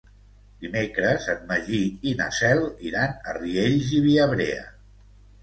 Dimecres en Magí i na Cel iran a Riells i Viabrea.